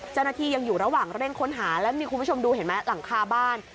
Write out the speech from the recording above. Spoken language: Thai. เจ้าหน้าที่ยังอยู่ระหว่างเร่งค้นหาแล้วมีคุณผู้ชมดูเห็นไหมหลังคาบ้าน